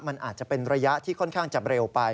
มันอาจจะเป็นระยะที่ค่อนข้างจะเร็วไป